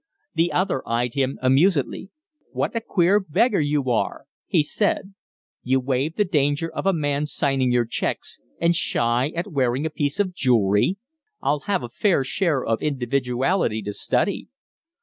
The other eyed him amusedly. "What a queer beggar you are!" he said. "You waive the danger of a man signing your checks and shy at wearing a piece of jewelry. I'll have a fair share of individuality to study."